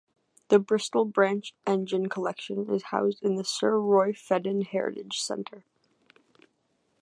The Bristol branch engine collection is housed in the Sir Roy Fedden Heritage Centre.